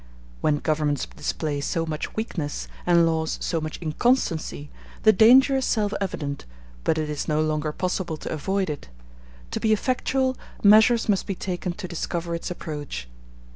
When governments display so much weakness, and laws so much inconstancy, the danger is self evident, but it is no longer possible to avoid it; to be effectual, measures must be taken to discover its approach.